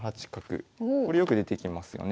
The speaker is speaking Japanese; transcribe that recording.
これよく出てきますよね。